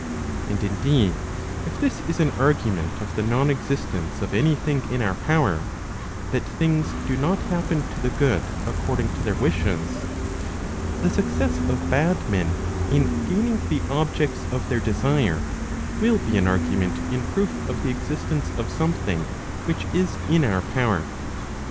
And indeed, if this is an argument of the non existence of any thing in our power, that things do not happen to the good according to their wishes, the success of bad men in gaining the objects of their desire, will be an argument in proof of the existence of something which is in our power.